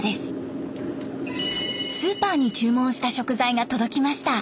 スーパーに注文した食材が届きました。